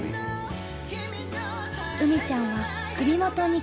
うみちゃんは首元に呼吸器。